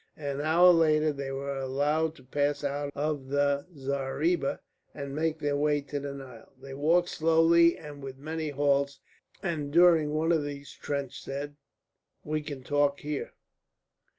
An hour later they were allowed to pass out of the zareeba and make their way to the Nile. They walked slowly and with many halts, and during one of these Trench said: "We can talk here."